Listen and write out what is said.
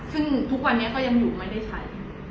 ซึ่งทุกวันนี้ก็ยังอยู่ไม่ได้ใช้